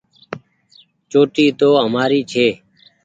چوٽي تو همآري ڇي ۔